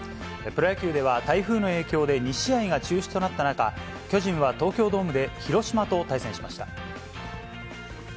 プロ野球では、台風の影響で２試合が中止となった中、巨人は東京ドームで広島と対戦しました。